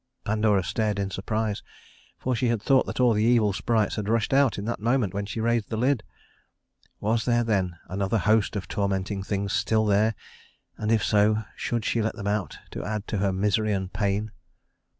Pandora stared in surprise, for she had thought that all the evil sprites had rushed out in that moment when she raised the lid. Was there, then, another host of tormenting things still there; and if so, should she let them out to add to her misery and pain?